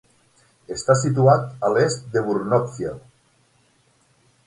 Està situat a l'est de Burnopfield.